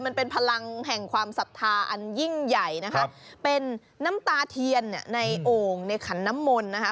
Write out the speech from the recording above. มันเป็นพลังแห่งความศรัทธาอันยิ่งใหญ่นะคะเป็นน้ำตาเทียนเนี่ยในโอ่งในขันน้ำมนต์นะคะ